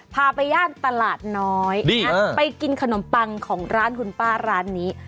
พาไปย่านตลาดน้อยไปกินขนมปังของร้านคุณป้าร้านนี้